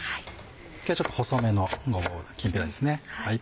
今日はちょっと細めのごぼうのきんぴらですね。